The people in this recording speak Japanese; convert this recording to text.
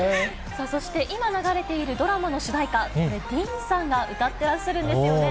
そして、今流れているドラマの主題歌、ディーンさんが歌ってらっしゃるんですよね。